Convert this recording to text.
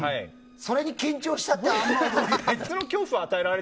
それに緊張してしまって。